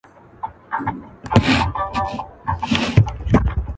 • چي عزت ساتلای نه سي د بګړیو -